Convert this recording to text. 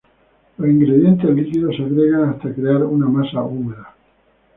Los ingredientes líquidos se agregan hasta crear una masa húmeda.